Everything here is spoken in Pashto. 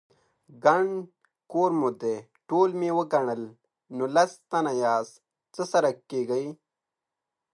_ګڼ کور مو دی، ټول مې وګڼل، نولس تنه ياست، څه سره کېږئ؟